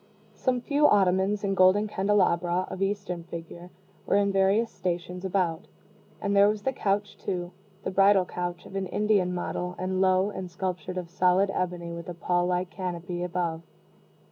Some few ottomans and golden candelabra, of Eastern figure, were in various stations about; and there was the couch, too the bridal couch of an Indian model, and low, and sculptured of solid ebony, with a pall like canopy above.